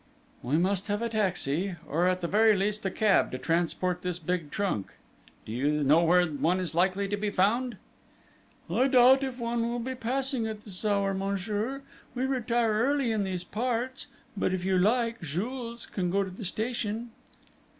"We must have a taxi, or at the very least a cab to transport this big trunk. Do you know where one is likely to be found?" "I doubt if one will be passing at this hour, monsieur. We retire early in these parts; but, if you like, Jules can go to the station."